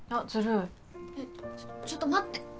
ねえちょっと待って。